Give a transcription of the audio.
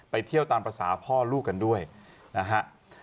เที่ยวตามภาษาพ่อลูกกันด้วยนะฮะ